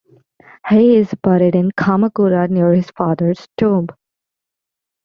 He is buried in Kamakura, near his father's tomb.